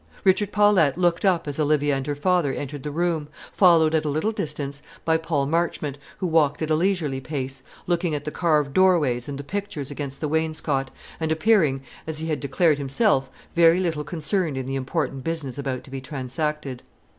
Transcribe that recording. Richard Paulette looked up as Olivia and her father entered the room, followed at a little distance by Paul Marchmont, who walked at a leisurely pace, looking at the carved doorways and the pictures against the wainscot, and appearing, as he had declared himself, very little concerned in the important business about to be transacted.